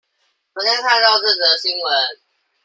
昨天看到這則新聞